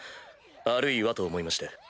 あるいはと思いまして。